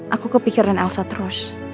aku kepikiran elsa terus